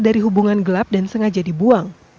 dari hubungan gelap dan sengaja dibuang